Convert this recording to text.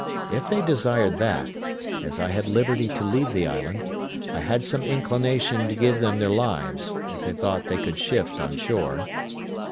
If they desired that, as I had liberty to leave the island, I had some inclination to give them their lives, if they thought they could shift on shore.